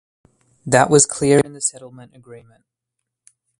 That was clear in the settlement agreement.